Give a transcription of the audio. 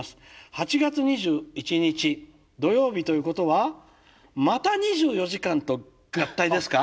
８月２１日土曜日ということはまた「２４時間」と合体ですか？